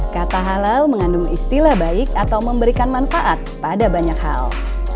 kata halal mengandung istilah baik atau memberikan manfaat pada banyak hal